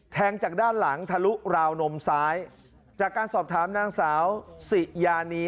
จากด้านหลังทะลุราวนมซ้ายจากการสอบถามนางสาวสิยานี